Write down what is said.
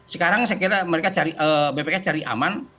sekarang bpkh cari aman